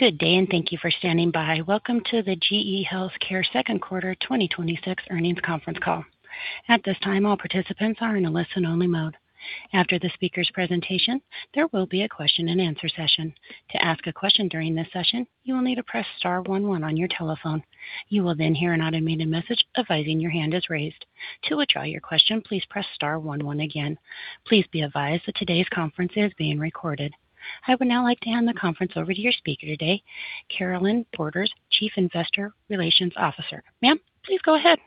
Good day. Thank you for standing by. Welcome to the GE HealthCare second quarter 2026 earnings conference call. At this time, all participants are in a listen-only mode. After the speaker's presentation, there will be a question-and-answer session. To ask a question during this session, you will need to press star one one on your telephone. You will then hear an automated message advising your hand is raised. To withdraw your question, please press star one one again. Please be advised that today's conference is being recorded. I would now like to hand the conference over to your speaker today, Carolynne Borders, Chief Investor Relations Officer. Ma'am, please go ahead.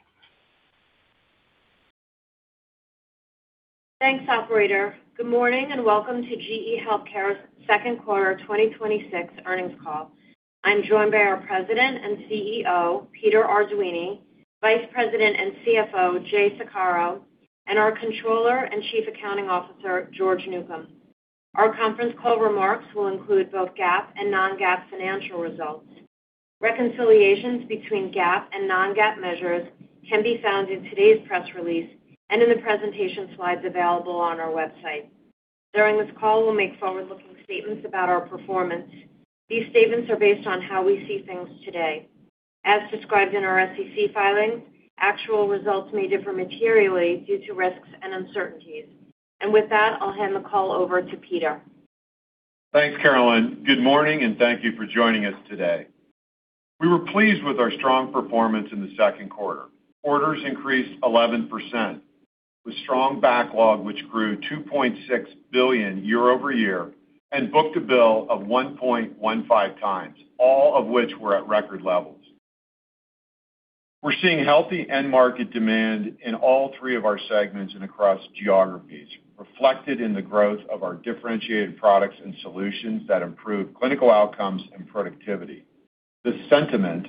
Thanks, operator. Good morning. Welcome to GE HealthCare's second quarter 2026 earnings call. I'm joined by our President and CEO, Peter Arduini, Vice President and CFO, Jay Saccaro, and our Controller and Chief Accounting Officer, George Newcomb. Our conference call remarks will include both GAAP and non-GAAP financial results. Reconciliations between GAAP and non-GAAP measures can be found in today's press release and in the presentation slides available on our website. During this call, we'll make forward-looking statements about our performance. These statements are based on how we see things today. As described in our SEC filings, actual results may differ materially due to risks and uncertainties. With that, I'll hand the call over to Peter. Thanks, Carolynne. Good morning. Thank you for joining us today. We were pleased with our strong performance in the second quarter. Orders increased 11%, with strong backlog, which grew $2.6 billion year-over-year, and book-to-bill of 1.15x, all of which were at record levels. We're seeing healthy end market demand in all three of our segments and across geographies, reflected in the growth of our differentiated products and solutions that improve clinical outcomes and productivity. This sentiment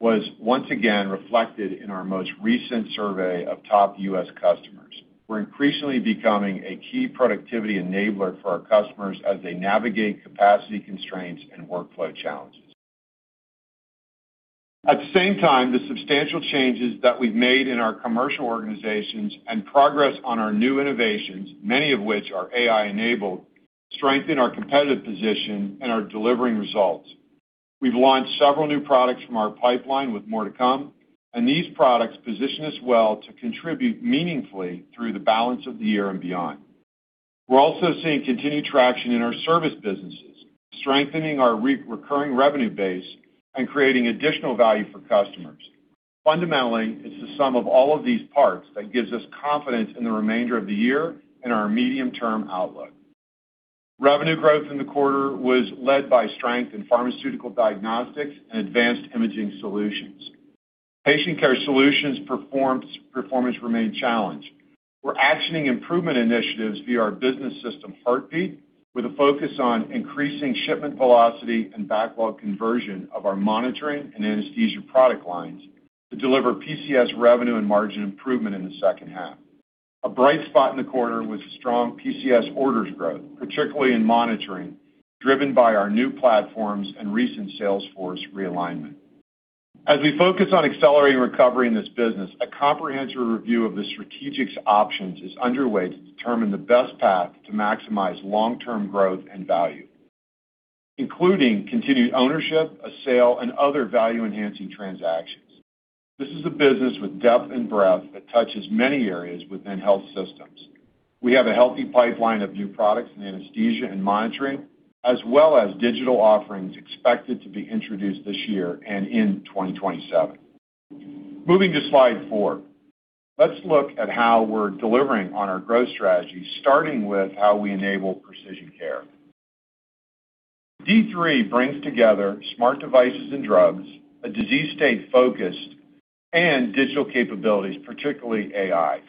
was once again reflected in our most recent survey of top U.S. customers. We're increasingly becoming a key productivity enabler for our customers as they navigate capacity constraints and workflow challenges. At the same time, the substantial changes that we've made in our commercial organizations and progress on our new innovations, many of which are AI-enabled, strengthen our competitive position and are delivering results. We've launched several new products from our pipeline with more to come. These products position us well to contribute meaningfully through the balance of the year and beyond. We're also seeing continued traction in our service businesses, strengthening our recurring revenue base and creating additional value for customers. Fundamentally, it's the sum of all of these parts that gives us confidence in the remainder of the year and our medium-term outlook. Revenue growth in the quarter was led by strength in Pharmaceutical Diagnostics and Advanced Imaging Solutions. Patient Care Solutions performance remained challenged. We're actioning improvement initiatives via our business system, Heartbeat, with a focus on increasing shipment velocity and backlog conversion of our monitoring and anesthesia product lines to deliver PCS revenue and margin improvement in the second half. A bright spot in the quarter was the strong PCS orders growth, particularly in monitoring, driven by our new platforms and recent sales force realignment. As we focus on accelerating recovery in this business, a comprehensive review of the strategic options is underway to determine the best path to maximize long-term growth and value, including continued ownership, a sale, and other value-enhancing transactions. This is a business with depth and breadth that touches many areas within health systems. We have a healthy pipeline of new products in anesthesia and monitoring, as well as digital offerings expected to be introduced this year and in 2027. Moving to slide four. Let's look at how we're delivering on our growth strategy, starting with how we enable precision care. D3 brings together smart devices and drugs, a disease state-focused and digital capabilities, particularly AI.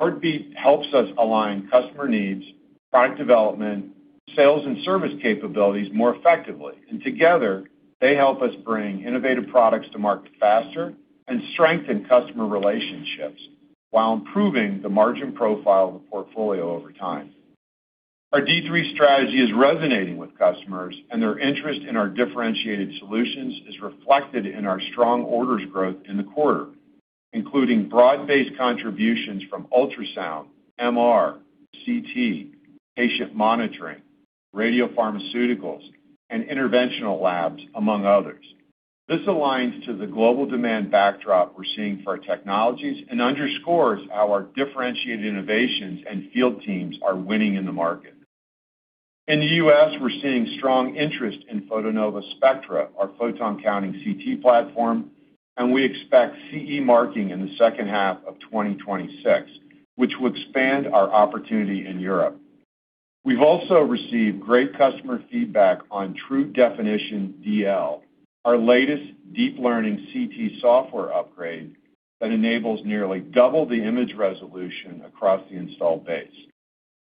Heartbeat helps us align customer needs, product development, sales, and service capabilities more effectively. Together, they help us bring innovative products to market faster and strengthen customer relationships while improving the margin profile of the portfolio over time. Our D3 strategy is resonating with customers, and their interest in our differentiated solutions is reflected in our strong orders growth in the quarter, including broad-based contributions from ultrasound, MR, CT, patient monitoring, radiopharmaceuticals, and interventional labs, among others. This aligns to the global demand backdrop we're seeing for our technologies and underscores how our differentiated innovations and field teams are winning in the market. In the U.S., we're seeing strong interest in Photonova Spectra, our photon-counting CT platform, and we expect CE marking in the second half of 2026, which will expand our opportunity in Europe. We've also received great customer feedback on True Definition DL, our latest deep learning CT software upgrade that enables nearly double the image resolution across the installed base.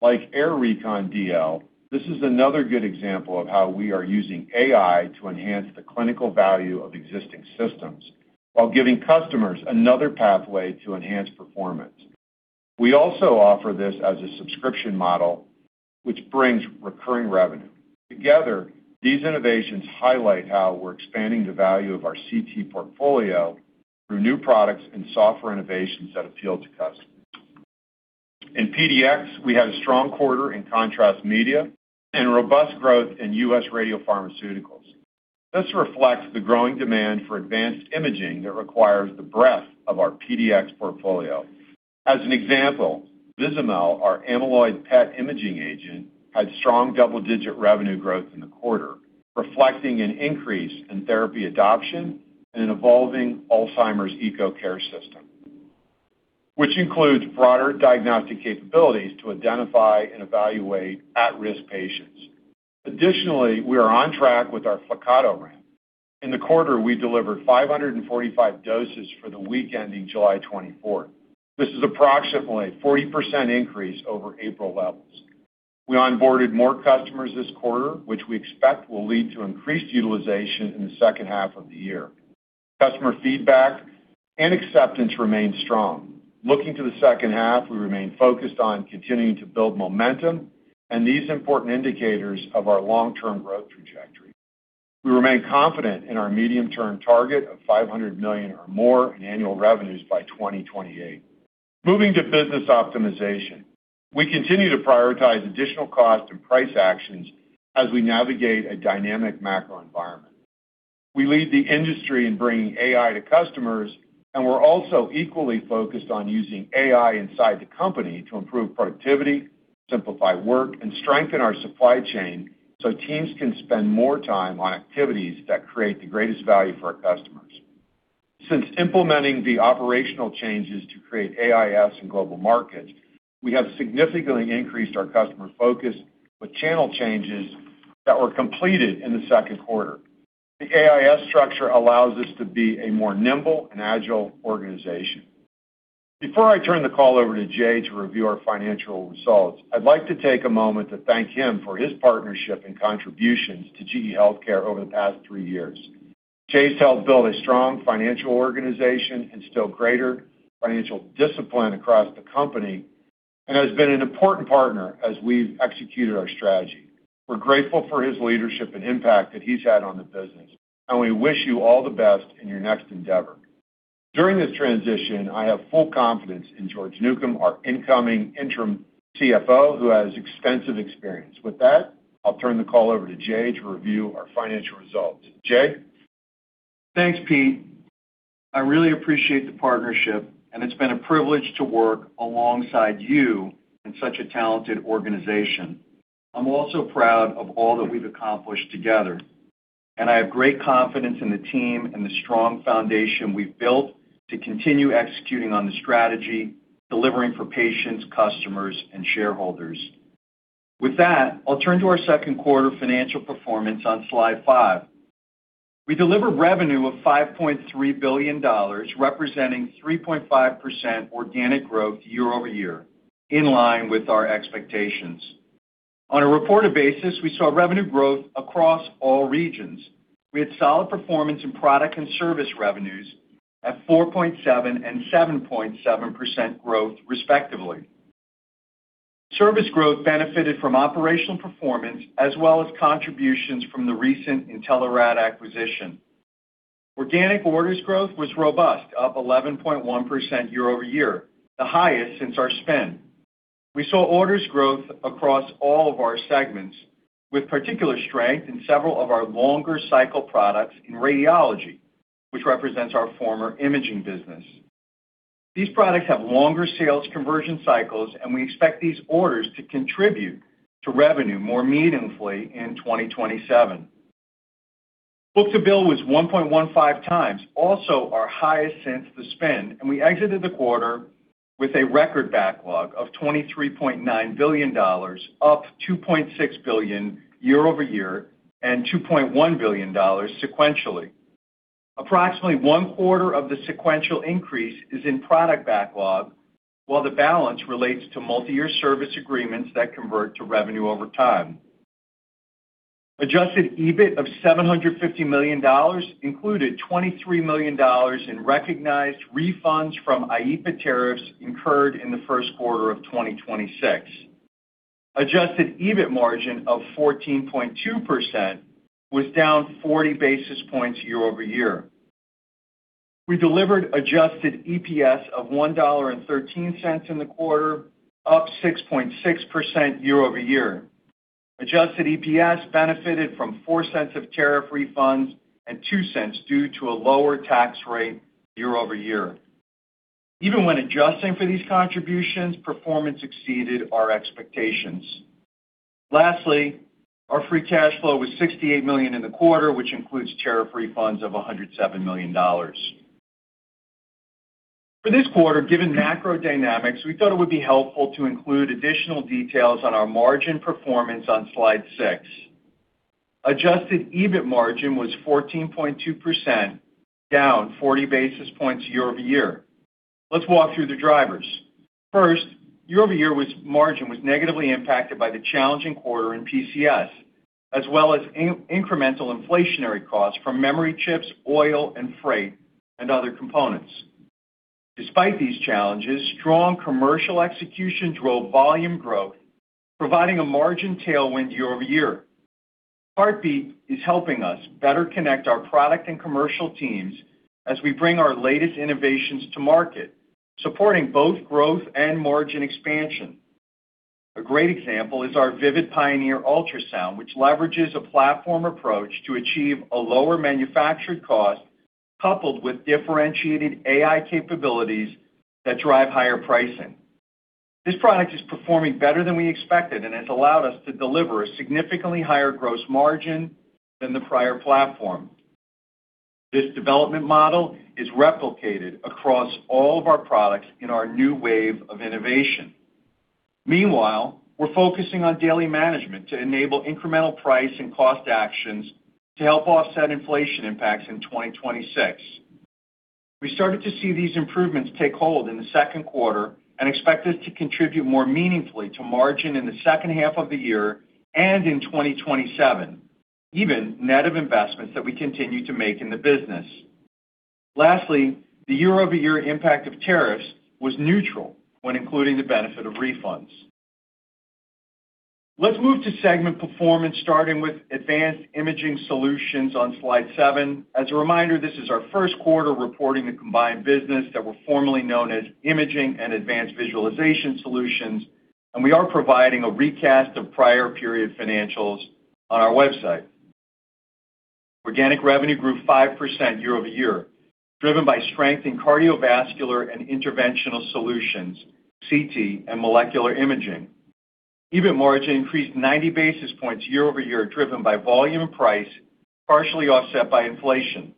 Like AIR Recon DL, this is another good example of how we are using AI to enhance the clinical value of existing systems while giving customers another pathway to enhance performance. We also offer this as a subscription model, which brings recurring revenue. Together, these innovations highlight how we're expanding the value of our CT portfolio through new products and software innovations that appeal to customers. In PDx, we had a strong quarter in contrast media and robust growth in U.S. radiopharmaceuticals. This reflects the growing demand for advanced imaging that requires the breadth of our PDx portfolio. As an example, Vizamyl, our amyloid PET imaging agent, had strong double-digit revenue growth in the quarter, reflecting an increase in therapy adoption and an evolving Alzheimer's eco-care system, which includes broader diagnostic capabilities to identify and evaluate at-risk patients. Additionally, we are on track with our Flyrcado ramp. In the quarter, we delivered 545 doses for the week ending July 24th. This is approximately a 40% increase over April levels. We onboarded more customers this quarter, which we expect will lead to increased utilization in the second half of the year. Customer feedback and acceptance remain strong. Looking to the second half, we remain focused on continuing to build momentum and these important indicators of our long-term growth trajectory. We remain confident in our medium-term target of $500 million or more in annual revenues by 2028. Moving to business optimization. We continue to prioritize additional cost and price actions as we navigate a dynamic macro environment. We lead the industry in bringing AI to customers, and we're also equally focused on using AI inside the company to improve productivity, simplify work, and strengthen our supply chain so teams can spend more time on activities that create the greatest value for our customers. Since implementing the operational changes to create AIS in Global Markets, we have significantly increased our customer focus with channel changes that were completed in the second quarter. The AIS structure allows us to be a more nimble and agile organization. Before I turn the call over to Jay to review our financial results, I'd like to take a moment to thank him for his partnership and contributions to GE HealthCare over the past three years. Jay's helped build a strong financial organization, instill greater financial discipline across the company, and has been an important partner as we've executed our strategy. We're grateful for his leadership and impact that he's had on the business, and we wish you all the best in your next endeavor. During this transition, I have full confidence in George Newcomb, our incoming interim CFO, who has extensive experience. With that, I'll turn the call over to Jay to review our financial results. Jay? Thanks, Pete. I really appreciate the partnership, it's been a privilege to work alongside you in such a talented organization. I'm also proud of all that we've accomplished together, I have great confidence in the team and the strong foundation we've built to continue executing on the strategy, delivering for patients, customers, and shareholders. With that, I'll turn to our second quarter financial performance on slide five. We delivered revenue of $5.3 billion, representing 3.5% organic growth year-over-year, in line with our expectations. On a reported basis, we saw revenue growth across all regions. We had solid performance in product and service revenues at 4.7% and 7.7% growth, respectively. Service growth benefited from operational performance as well as contributions from the recent Intelerad acquisition. Organic orders growth was robust, up 11.1% year-over-year, the highest since our spin. We saw orders growth across all of our segments, with particular strength in several of our longer cycle products in radiology, which represents our former Imaging business. These products have longer sales conversion cycles, we expect these orders to contribute to revenue more meaningfully in 2027. Book to bill was 1.15x, also our highest since the spin, we exited the quarter with a record backlog of $23.9 billion, up $2.6 billion year-over-year and $2.1 billion sequentially. Approximately one quarter of the sequential increase is in product backlog, while the balance relates to multi-year service agreements that convert to revenue over time. Adjusted EBIT of $750 million included $23 million in recognized refunds from IEEPA tariffs incurred in the first quarter of 2026. Adjusted EBIT margin of 14.2% was down 40 basis points year-over-year. We delivered adjusted EPS of $1.13 in the quarter, up 6.6% year-over-year. Adjusted EPS benefited from $0.04 of tariff refunds and $0.02 due to a lower tax rate year-over-year. Even when adjusting for these contributions, performance exceeded our expectations. Lastly, our free cash flow was $68 million in the quarter, which includes tariff refunds of $107 million. For this quarter, given macro dynamics, we thought it would be helpful to include additional details on our margin performance on slide six. Adjusted EBIT margin was 14.2%, down 40 basis points year-over-year. Let's walk through the drivers. First, year-over-year margin was negatively impacted by the challenging quarter in PCS, as well as incremental inflationary costs from memory chips, oil and freight, and other components. Despite these challenges, strong commercial execution drove volume growth, providing a margin tailwind year-over-year. Heartbeat is helping us better connect our product and commercial teams as we bring our latest innovations to market, supporting both growth and margin expansion. A great example is our Vivid Pioneer ultrasound, which leverages a platform approach to achieve a lower manufactured cost, coupled with differentiated AI capabilities that drive higher pricing. This product is performing better than we expected and has allowed us to deliver a significantly higher gross margin than the prior platform. This development model is replicated across all of our products in our new wave of innovation. Meanwhile, we're focusing on daily management to enable incremental price and cost actions to help offset inflation impacts in 2026. We started to see these improvements take hold in the second quarter and expect this to contribute more meaningfully to margin in the second half of the year and in 2027, even net of investments that we continue to make in the business. Lastly, the year-over-year impact of tariffs was neutral when including the benefit of refunds. Let's move to segment performance, starting with Advanced Imaging Solutions on slide seven. As a reminder, this is our first quarter reporting the combined business that were formerly known as Imaging and Advanced Visualization Solutions, and we are providing a recast of prior period financials on our website. Organic revenue grew 5% year-over-year, driven by strength in cardiovascular and interventional solutions, CT, and molecular imaging. EBIT margin increased 90 basis points year-over-year, driven by volume and price, partially offset by inflation.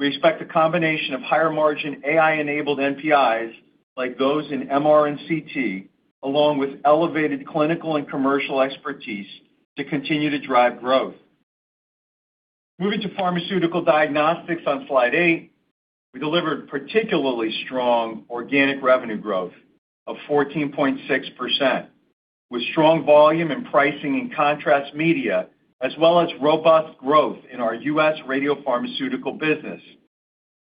We expect the combination of higher margin AI-enabled NPIs, like those in MR and CT, along with elevated clinical and commercial expertise, to continue to drive growth. Moving to Pharmaceutical Diagnostics on slide eight. We delivered particularly strong organic revenue growth of 14.6%, with strong volume in pricing in contrast media, as well as robust growth in our U.S. radiopharmaceutical business.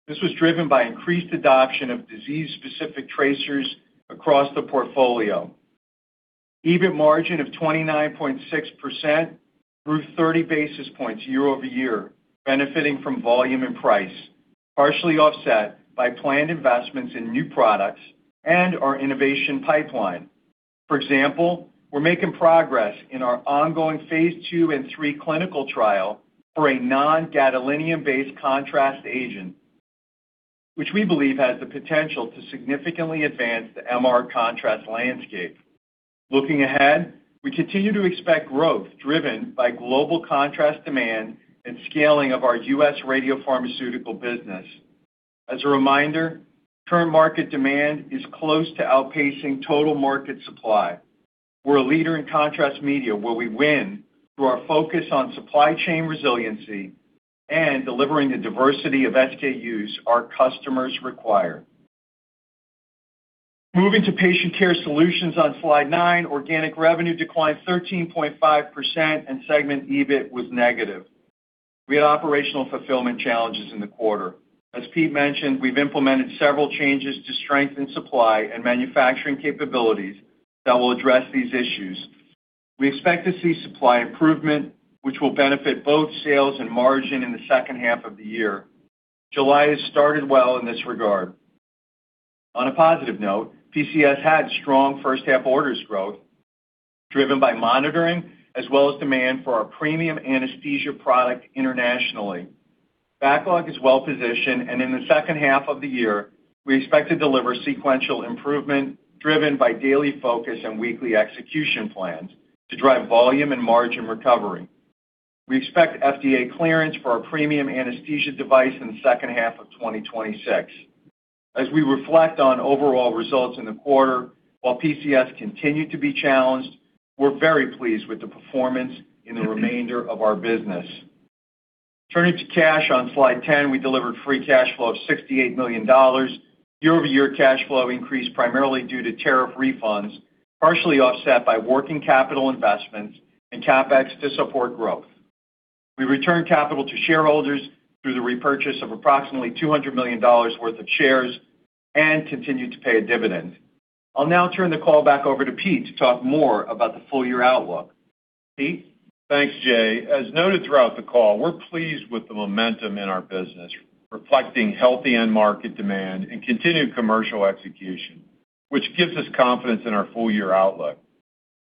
This was driven by increased adoption of disease-specific tracers across the portfolio. EBIT margin of 29.6% grew 30 basis points year-over-year, benefiting from volume and price, partially offset by planned investments in new products and our innovation pipeline. For example, we're making progress in our ongoing phase II and III clinical trial for a non-gadolinium-based contrast agent, which we believe has the potential to significantly advance the MR contrast landscape. Looking ahead, we continue to expect growth driven by global contrast demand and scaling of our U.S. radiopharmaceutical business. As a reminder, current market demand is close to outpacing total market supply. We're a leader in contrast media, where we win through our focus on supply chain resiliency and delivering the diversity of SKUs our customers require. Moving to Patient Care Solutions on slide nine, organic revenue declined 13.5% and segment EBIT was negative. We had operational fulfillment challenges in the quarter. As Pete mentioned, we've implemented several changes to strengthen supply and manufacturing capabilities that will address these issues. We expect to see supply improvement, which will benefit both sales and margin in the second half of the year. July has started well in this regard. On a positive note, PCS had strong first half orders growth, driven by monitoring, as well as demand for our premium anesthesia product internationally. Backlog is well positioned. In the second half of the year, we expect to deliver sequential improvement, driven by daily focus and weekly execution plans to drive volume and margin recovery. We expect FDA clearance for our premium anesthesia device in the second half of 2026. As we reflect on overall results in the quarter, while PCS continued to be challenged, we're very pleased with the performance in the remainder of our business. Turning to cash on slide 10, we delivered free cash flow of $68 million. Year-over-year cash flow increased primarily due to tariff refunds, partially offset by working capital investments and CapEx to support growth. We returned capital to shareholders through the repurchase of approximately $200 million worth of shares and continued to pay a dividend. I'll now turn the call back over to Pete to talk more about the full year outlook. Pete? Thanks, Jay. As noted throughout the call, we're pleased with the momentum in our business, reflecting healthy end market demand and continued commercial execution, which gives us confidence in our full year outlook.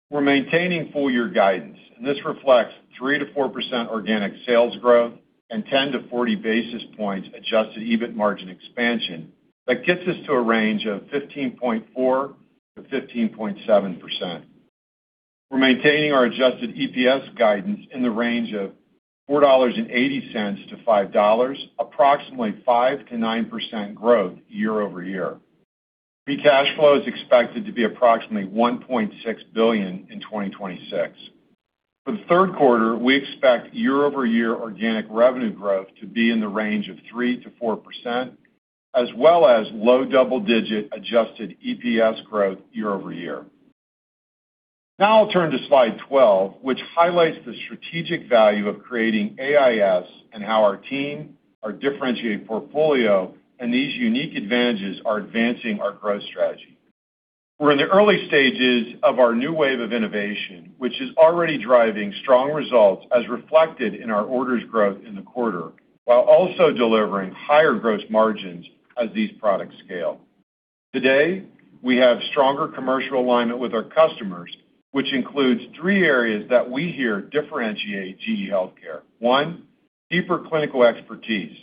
We're maintaining full year guidance. This reflects 3%-4% organic sales growth and 10 basis points to 40 basis points adjusted EBIT margin expansion. That gets us to a range of 15.4%-15.7%. We're maintaining our adjusted EPS guidance in the range of $4.80-$5, approximately 5%-9% growth year-over-year. Free cash flow is expected to be approximately $1.6 billion in 2026. For the third quarter, we expect year-over-year organic revenue growth to be in the range of 3%-4% as well as low double-digit adjusted EPS growth year-over-year. I'll turn to Slide 12, which highlights the strategic value of creating AIS and how our team, our differentiated portfolio, and these unique advantages are advancing our growth strategy. We're in the early stages of our new wave of innovation, which is already driving strong results as reflected in our orders growth in the quarter, while also delivering higher gross margins as these products scale. Today, we have stronger commercial alignment with our customers, which includes three areas that we hear differentiate GE HealthCare. One, deeper clinical expertise.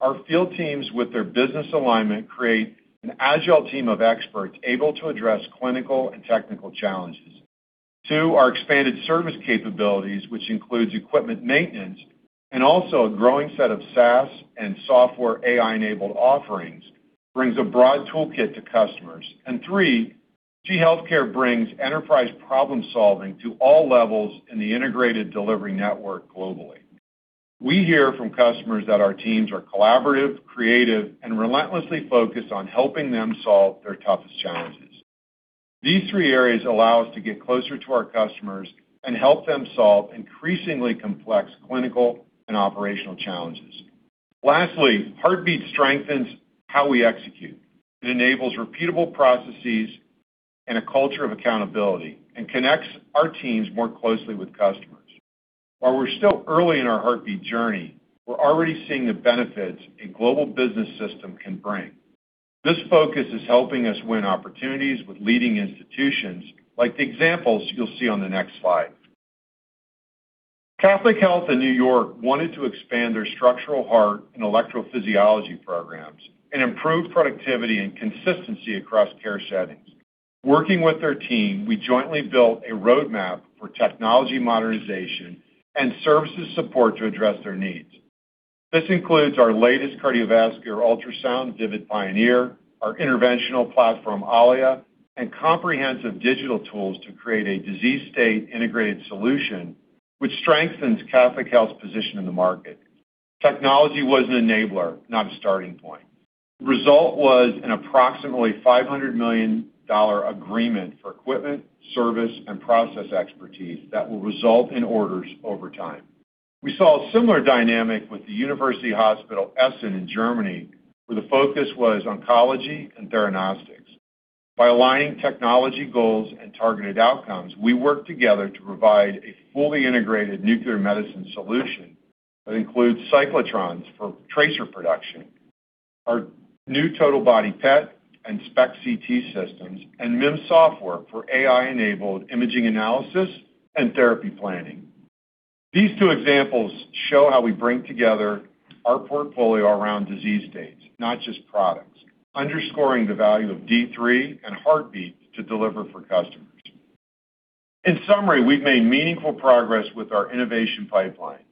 Our field teams with their business alignment, create an agile team of experts able to address clinical and technical challenges. Two, our expanded service capabilities, which includes equipment maintenance and also a growing set of SaaS and software AI-enabled offerings, brings a broad toolkit to customers. GE HealthCare brings enterprise problem-solving to all levels in the integrated delivery network globally. We hear from customers that our teams are collaborative, creative, and relentlessly focused on helping them solve their toughest challenges. These three areas allow us to get closer to our customers and help them solve increasingly complex clinical and operational challenges. Lastly, Heartbeat strengthens how we execute. It enables repeatable processes and a culture of accountability and connects our teams more closely with customers. While we're still early in our Heartbeat journey, we're already seeing the benefits a global business system can bring. This focus is helping us win opportunities with leading institutions, like the examples you'll see on the next slide. Catholic Health in New York wanted to expand their structural heart and electrophysiology programs and improve productivity and consistency across care settings. Working with their team, we jointly built a roadmap for technology modernization and services support to address their needs. This includes our latest cardiovascular ultrasound, Vivid Pioneer, our interventional platform, Allia, and comprehensive digital tools to create a disease-state integrated solution, which strengthens Catholic Health's position in the market. Technology was an enabler, not a starting point. Result was an approximately $500 million agreement for equipment, service, and process expertise that will result in orders over time. We saw a similar dynamic with the University Hospital Essen in Germany, where the focus was oncology and theranostics. By aligning technology goals and targeted outcomes, we worked together to provide a fully integrated nuclear medicine solution that includes cyclotrons for tracer production, our new total body PET and SPECT/CT systems, and MIM Software for AI-enabled imaging analysis and therapy planning. These two examples show how we bring together our portfolio around disease states, not just products, underscoring the value of D3 and Heartbeat to deliver for customers. In summary, we've made meaningful progress with our innovation pipeline.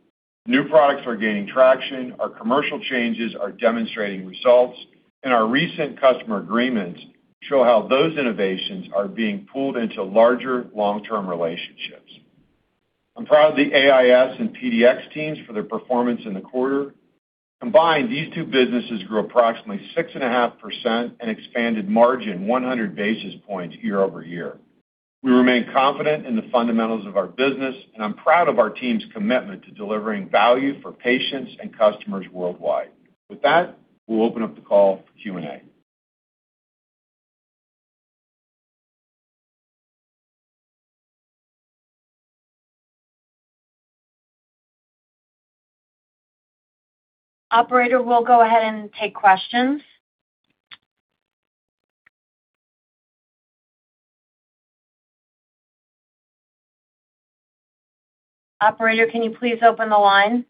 New products are gaining traction, our commercial changes are demonstrating results, and our recent customer agreements show how those innovations are being pooled into larger long-term relationships. I'm proud of the AIS and PDx teams for their performance in the quarter. Combined, these two businesses grew approximately 6.5% and expanded margin 100 basis points year-over-year. We remain confident in the fundamentals of our business, and I'm proud of our team's commitment to delivering value for patients and customers worldwide. With that, we'll open up the call for Q&A. Operator, we'll go ahead and take questions. Operator, can you please open the line?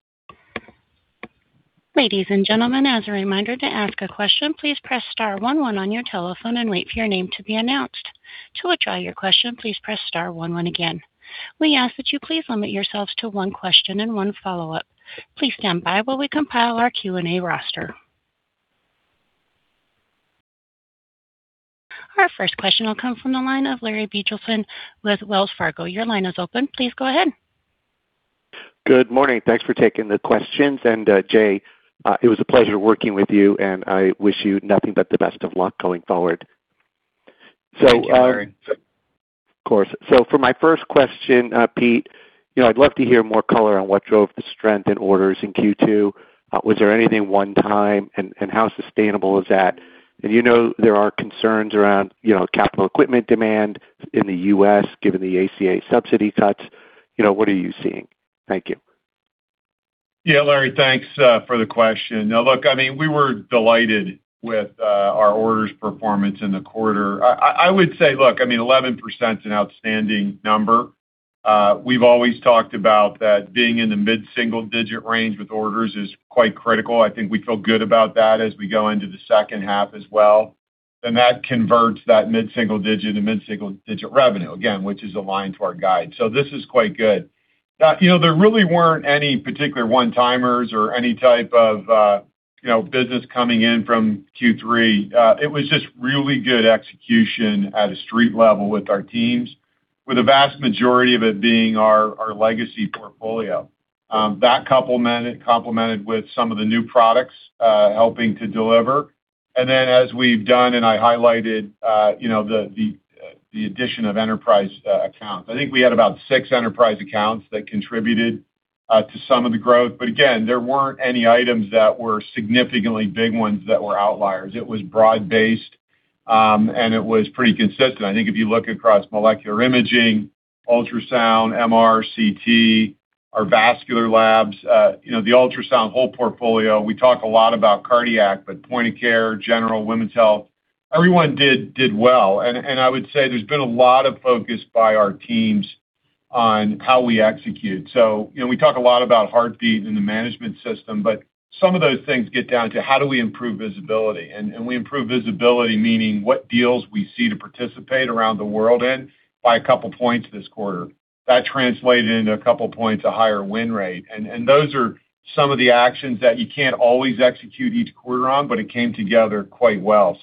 Ladies and gentlemen, as a reminder, to ask a question, please press star one one on your telephone and wait for your name to be announced. To withdraw your question, please press star one one again. We ask that you please limit yourselves to one question and one follow-up. Please stand by while we compile our Q&A roster. Our first question will come from the line of Larry Biegelsen with Wells Fargo. Your line is open. Please go ahead. Good morning. Thanks for taking the questions. Jay, it was a pleasure working with you, and I wish you nothing but the best of luck going forward. Thank you, Larry. Of course. For my first question, Pete, I'd love to hear more color on what drove the strength in orders in Q2. Was there anything one time, and how sustainable is that? You know there are concerns around capital equipment demand in the U.S., given the ACA subsidy cuts. What are you seeing? Thank you. Larry, thanks for the question. We were delighted with our orders performance in the quarter. I would say, 11% is an outstanding number. We've always talked about that being in the mid-single-digit range with orders is quite critical. I think we feel good about that as we go into the second half as well, and that converts that mid-single-digit and mid-single-digit revenue, again, which is aligned to our guide. This is quite good. There really weren't any particular one-timers or any type of business coming in from Q3. It was just really good execution at a street level with our teams, with the vast majority of it being our legacy portfolio. That complemented with some of the new products helping to deliver. As we've done, I highlighted the addition of enterprise accounts. I think we had about six enterprise accounts that contributed to some of the growth. Again, there weren't any items that were significantly big ones that were outliers. It was broad-based, and it was pretty consistent. I think if you look across molecular imaging, ultrasound, MR, CT, our vascular labs, the ultrasound whole portfolio, we talk a lot about cardiac, but point of care, general, women's health, everyone did well. I would say there's been a lot of focus by our teams on how we execute. We talk a lot about Heartbeat and the management system, but some of those things get down to how do we improve visibility? We improve visibility, meaning what deals we see to participate around the world in by a couple points this quarter. That translated into a couple points of higher win rate. Those are some of the actions that you can't always execute each quarter on, but it came together quite well.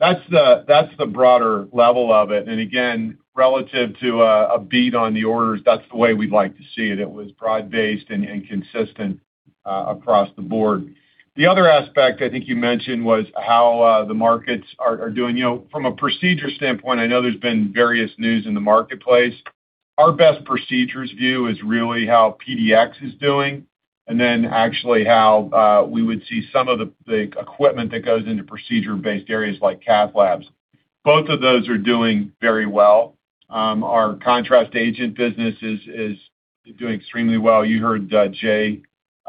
That's the broader level of it. Again, relative to a beat on the orders, that's the way we'd like to see it. It was broad-based and consistent across the board. The other aspect I think you mentioned was how the markets are doing. From a procedure standpoint, I know there's been various news in the marketplace. Our best procedures view is really how PDx is doing, and then actually how we would see some of the equipment that goes into procedure-based areas like cath labs. Both of those are doing very well. Our contrast agent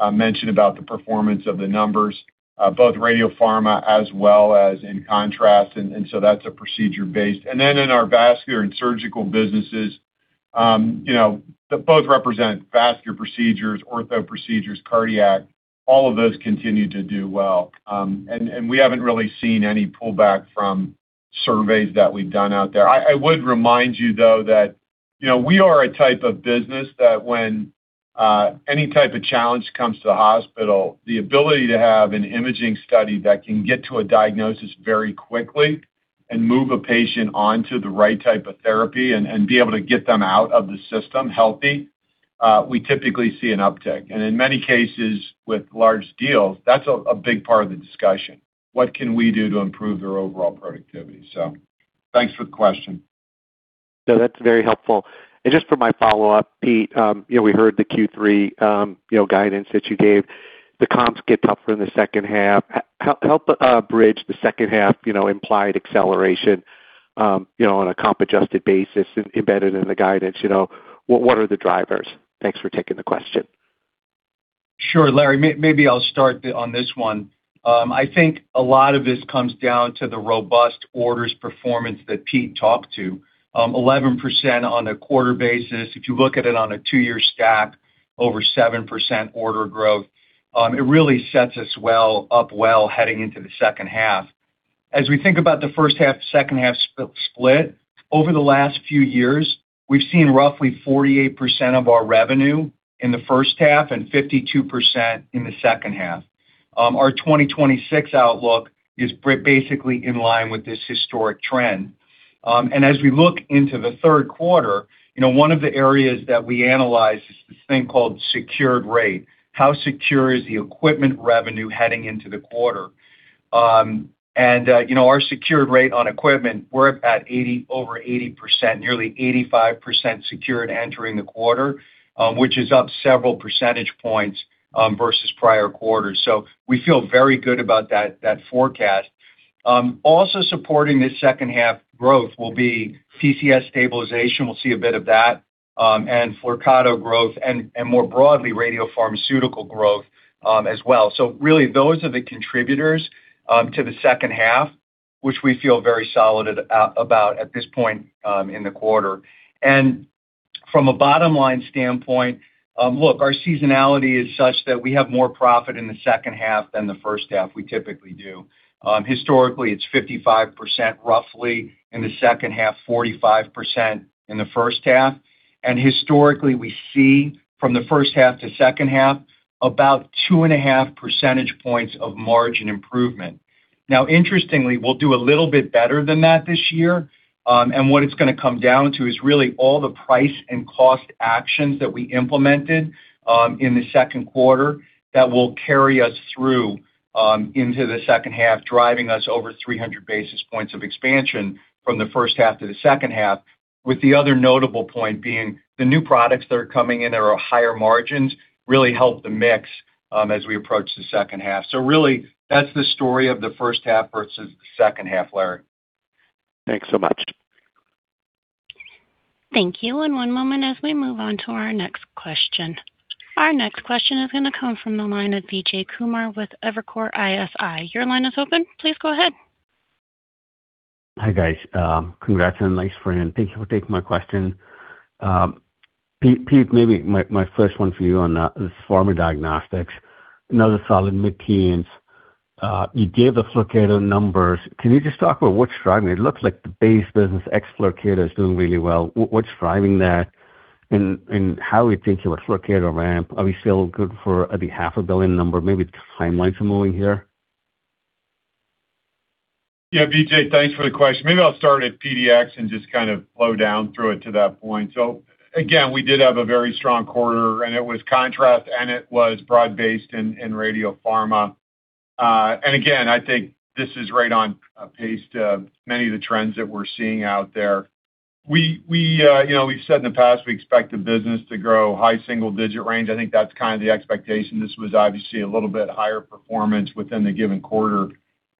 business is doing extremely well. You heard Jay mention about the performance of the numbers, both radiopharma as well as in contrast. That's a procedure-based. In our vascular and surgical businesses, both represent vascular procedures, ortho procedures, cardiac, all of those continue to do well. We haven't really seen any pullback from surveys that we've done out there. I would remind you, though, that we are a type of business that when any type of challenge comes to the hospital, the ability to have an imaging study that can get to a diagnosis very quickly and move a patient onto the right type of therapy and be able to get them out of the system healthy, we typically see an uptick. In many cases with large deals, that's a big part of the discussion. What can we do to improve their overall productivity? Thanks for the question. No, that's very helpful. Just for my follow-up, Pete, we heard the Q3 guidance that you gave. The comps get tougher in the second half. Help bridge the second half implied acceleration on a comp-adjusted basis embedded in the guidance. What are the drivers? Thanks for taking the question. Sure, Larry, maybe I'll start on this one. I think a lot of this comes down to the robust orders performance that Pete talked to, 11% on a quarter basis. If you look at it on a two-year stack, over 7% order growth. It really sets us up well heading into the second half. As we think about the first half, second half split, over the last few years, we've seen roughly 48% of our revenue in the first half and 52% in the second half. Our 2026 outlook is basically in line with this historic trend. As we look into the third quarter, one of the areas that we analyze is this thing called secured rate. How secure is the equipment revenue heading into the quarter? Our secured rate on equipment, we're at over 80%, nearly 85% secured entering the quarter, which is up several percentage points versus prior quarters. We feel very good about that forecast. Also supporting this second half growth will be PCS stabilization, we'll see a bit of that, and Flyrcado growth and more broadly, radiopharmaceutical growth as well. Really those are the contributors to the second half, which we feel very solid about at this point in the quarter. From a bottom-line standpoint, look, our seasonality is such that we have more profit in the second half than the first half. We typically do. Historically, it's 55% roughly in the second half, 45% in the first half. Historically, we see from the first half to second half about 2.5 percentage points of margin improvement. Now, interestingly, we'll do a little bit better than that this year, what it's going to come down to is really all the price and cost actions that we implemented in the second quarter that will carry us through into the second half, driving us over 300 basis points of expansion from the first half to the second half, with the other notable point being the new products that are coming in that are higher margins really help the mix as we approach the second half. Really that's the story of the first half versus the second half, Larry. Thanks so much. Thank you. One moment as we move on to our next question. Our next question is going to come from the line of Vijay Kumar with Evercore ISI. Your line is open. Please go ahead. Hi, guys. Congrats on a nice quarter, and thank you for taking my question. Pete, maybe my first one for you on this Pharmaceutical Diagnostics. Another solid mid-teens. You gave the Flyrcado numbers. Can you just talk about what's driving it? It looks like the base business ex Flyrcado is doing really well. What's driving that, and how are you thinking about Flyrcado ramp? Are we still good for the $500 million number? Maybe timelines moving here? Vijay, thanks for the question. Maybe I'll start at PDx and just kind of flow down through it to that point. Again, we did have a very strong quarter, and it was contrast, and it was broad-based in radiopharma. Again, I think this is right on pace to many of the trends that we're seeing out there. We've said in the past, we expect the business to grow high single-digit range. I think that's kind of the expectation. This was obviously a little bit higher performance within the given quarter,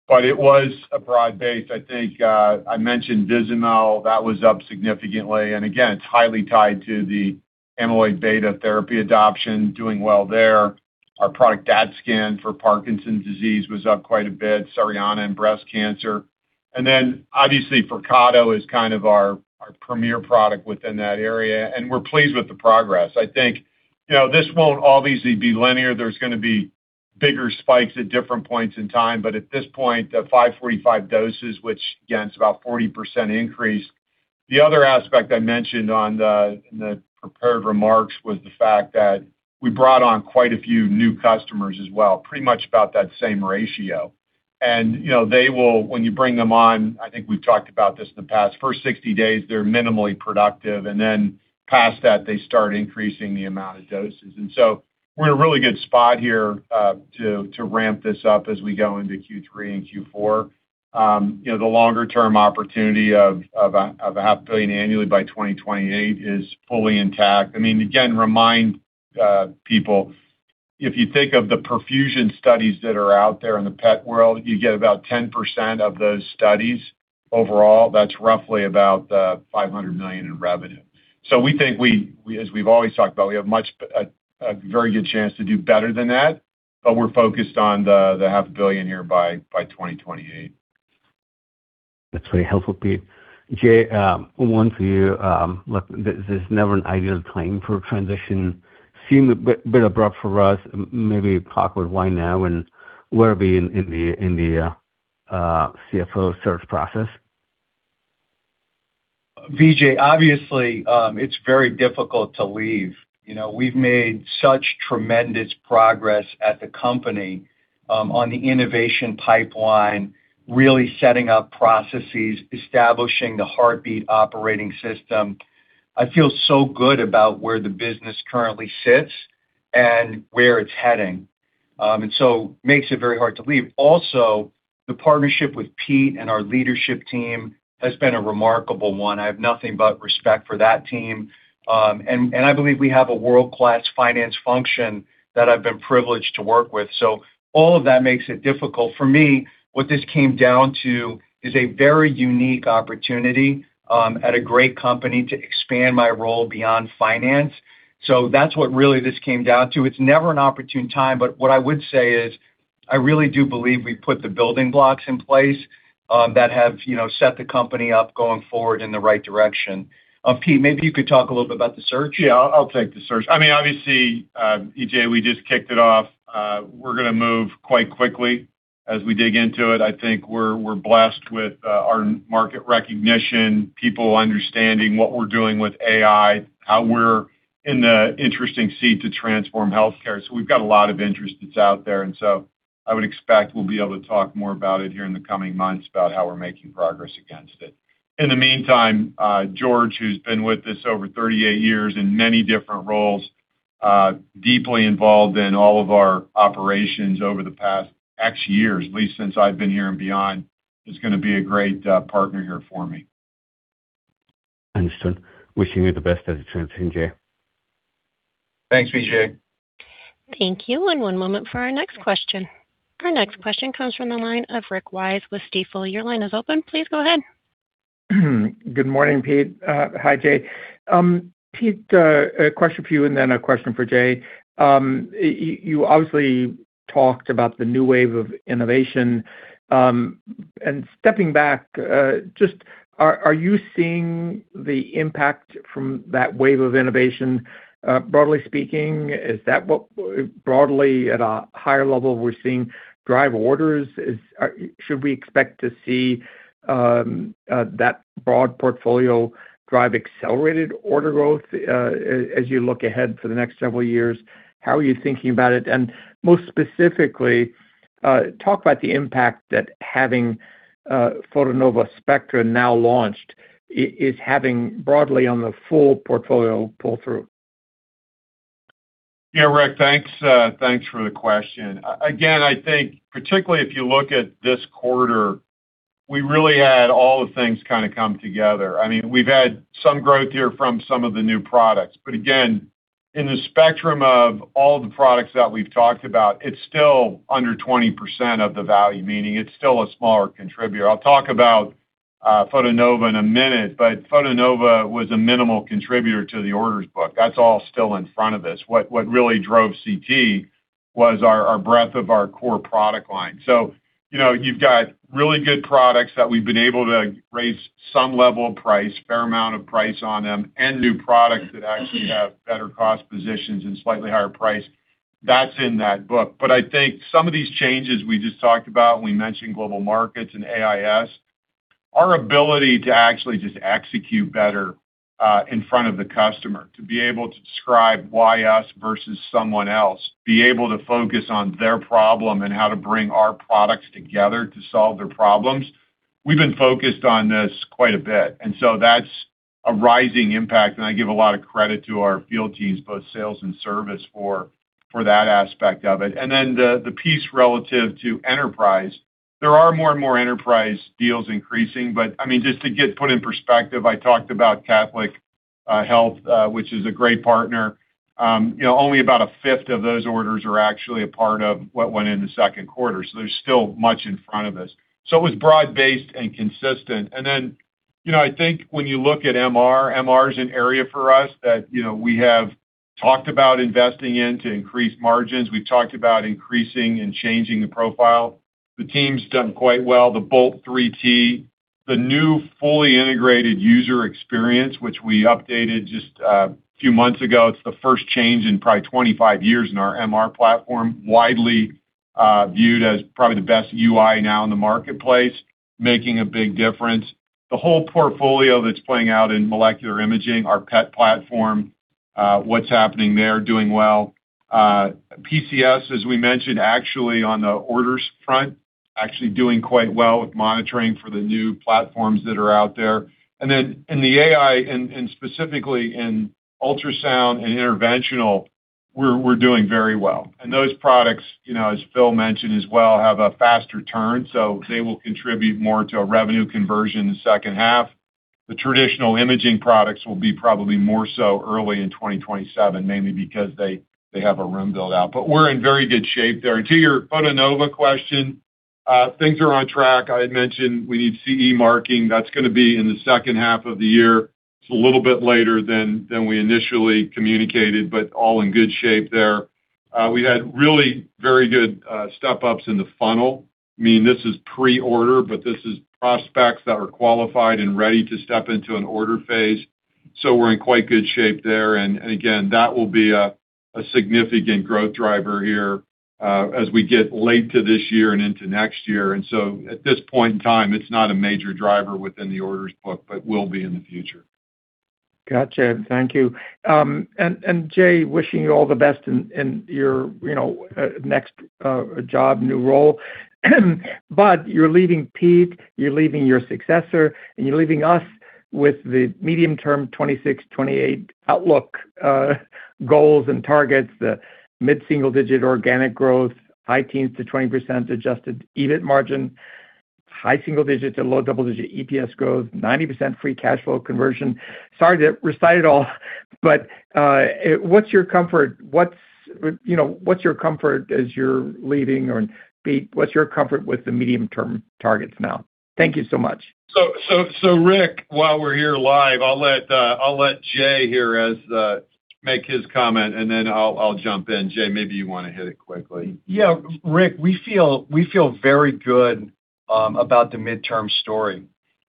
but it was a broad base. I mentioned Vizamyl, that was up significantly. And again, it's highly tied to the amyloid beta therapy adoption doing well there. Our product DaTscan for Parkinson's disease was up quite a bit, Cerianna in breast cancer. Obviously, Flyrcado is kind of our premier product within that area, and we're pleased with the progress. I think this won't all obviously be linear. There's going to be bigger spikes at different points in time. At this point, the 545 doses, which again, it's about 40% increase. The other aspect I mentioned in the prepared remarks was the fact that we brought on quite a few new customers as well, pretty much about that same ratio. When you bring them on, I think we've talked about this in the past, first 60 days, they're minimally productive, and then past that, they start increasing the amount of doses. We're in a really good spot here, to ramp this up as we go into Q3 and Q4. The longer-term opportunity of a $500 million annually by 2028 is fully intact. Again, remind people, if you think of the perfusion studies that are out there in the PET world, you get about 10% of those studies overall. That's roughly about $500 million in revenue. We think as we've always talked about, we have a very good chance to do better than that, but we're focused on the $500 million here by 2028. That's very helpful, Pete. Jay, one for you. Look, this is never an ideal time for a transition. Seemed a bit abrupt for us, maybe talk with why now and where are we in the CFO search process? Vijay, obviously, it's very difficult to leave. We've made such tremendous progress at the company, on the innovation pipeline, really setting up processes, establishing the Heartbeat operating system. I feel so good about where the business currently sits and where it's heading. Makes it very hard to leave. Also, the partnership with Pete and our leadership team has been a remarkable one. I have nothing but respect for that team. I believe we have a world-class finance function that I've been privileged to work with. All of that makes it difficult. For me, what this came down to is a very unique opportunity, at a great company to expand my role beyond finance. That's what really this came down to. It's never an opportune time, but what I would say is I really do believe we put the building blocks in place that have set the company up going forward in the right direction. Pete, maybe you could talk a little bit about the search. Yeah, I'll take the search. Obviously, Vijay, we just kicked it off. We're going to move quite quickly as we dig into it. I think we're blessed with our market recognition, people understanding what we're doing with AI, how we're in the interesting seat to transform healthcare. We've got a lot of interest that's out there. I would expect we'll be able to talk more about it here in the coming months about how we're making progress against it. In the meantime, George, who's been with us over 38 years in many different roles, deeply involved in all of our operations over the past X years, at least since I've been here and beyond, is going to be a great partner here for me. Understood. Wishing you the best as you transition, Jay. Thanks, Vijay. Thank you. One moment for our next question. Our next question comes from the line of Rick Wise with Stifel. Your line is open. Please go ahead. Good morning, Pete. Hi, Jay. Pete, a question for you, then a question for Jay. You obviously talked about the new wave of innovation. Stepping back, just are you seeing the impact from that wave of innovation? Broadly speaking, is that what broadly at a higher level we're seeing drive orders? Should we expect to see that broad portfolio drive accelerated order growth, as you look ahead for the next several years? How are you thinking about it? Most specifically, talk about the impact that having Photonova Spectra now launched is having broadly on the full portfolio pull-through. Yeah, Rick, thanks for the question. Again, I think particularly if you look at this quarter, we really had all the things kind of come together. We've had some growth here from some of the new products, but again, in the spectrum of all the products that we've talked about, it's still under 20% of the value, meaning it's still a smaller contributor. I'll talk about Photonova in a minute, but Photonova was a minimal contributor to the orders book. That's all still in front of us. What really drove CT was our breadth of our core product line. You've got really good products that we've been able to raise some level of price, fair amount of price on them, and new products that actually have better cost positions and slightly higher price. That's in that book. I think some of these changes we just talked about when we mentioned Global Markets and AIS, our ability to actually just execute better, in front of the customer, to be able to describe why us versus someone else, be able to focus on their problem and how to bring our products together to solve their problems. We've been focused on this quite a bit, that's a rising impact, and I give a lot of credit to our field teams, both sales and service, for that aspect of it. Then the piece relative to enterprise, there are more and more enterprise deals increasing. Just to put it in perspective, I talked about Catholic Health, which is a great partner. Only about a fifth of those orders are actually a part of what went in the second quarter, so there's still much in front of us. It was broad-based and consistent. I think when you look at MR is an area for us that we have talked about investing in to increase margins. We've talked about increasing and changing the profile. The team's done quite well. The Bolt 3T, the new fully integrated user experience, which we updated just a few months ago. It's the first change in probably 25 years in our MR platform, widely viewed as probably the best UI now in the marketplace, making a big difference. The whole portfolio that's playing out in molecular imaging, our PET platform, what's happening there, doing well. PCS, as we mentioned, actually on the orders front, actually doing quite well with monitoring for the new platforms that are out there. In the AI, and specifically in ultrasound and interventional, we're doing very well. Those products, as Phil mentioned as well, have a faster turn, so they will contribute more to a revenue conversion in the second half. The traditional imaging products will be probably more so early in 2027, mainly because they have a run build-out. We're in very good shape there. To your Photonova question, things are on track. I had mentioned we need CE marking. That's going to be in the second half of the year. It's a little bit later than we initially communicated, but all in good shape there. We had really very good step-ups in the funnel. This is pre-order, but this is prospects that are qualified and ready to step into an order phase. We're in quite good shape there. Again, that will be a significant growth driver here as we get late to this year and into next year. At this point in time, it's not a major driver within the orders book, will be in the future. Got you. Thank you. Jay, wishing you all the best in your next job, new role. You're leaving Pete, you're leaving your successor, and you're leaving us with the medium-term 2026, 2028 outlook goals and targets, the mid-single digit organic growth, high teens to 20% adjusted EBIT margin, high single digits to low double-digit EPS growth, 90% free cash flow conversion. Sorry to recite it all, what's your comfort as you're leaving, or Pete, what's your comfort with the medium-term targets now? Thank you so much. Rick, while we're here live, I'll let Jay make his comment, and then I'll jump in. Jay, maybe you want to hit it quickly. Yeah, Rick, we feel very good about the midterm story.